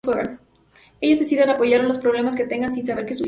Ellos deciden apoyarlo en los problemas que tenga, sin saber que es su hijo.